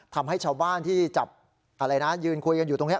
ทำให้ชาวบ้านที่จับอะไรนะยืนคุยกันอยู่ตรงนี้